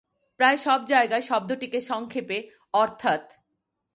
"প্রায় সব জায়গায়" শব্দটিকে সংক্ষেপে "অর্থাৎ